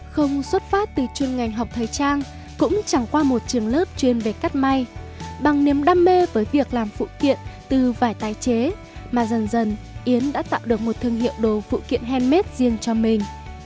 không xuất phát từ chuyên ngành học thời trang cũng chẳng qua một trường lớp chuyên về cắt may bằng niềm đam mê với việc làm phụ kiện từ vải tái chế mà dần dần yến đã tạo được một thương hiệu đồ phụ kiện handmade riêng cho mình